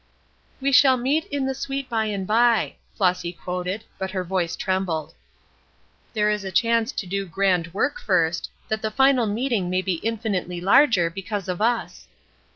"We shall meet in the sweet by and by," Flossy quoted, but her voice trembled. "There is a chance to do grand work first, that the final meeting may be infinitely larger, because of us."